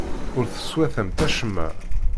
Ur teswatamt acemma.